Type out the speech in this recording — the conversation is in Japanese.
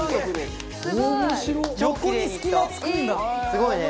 すごいね。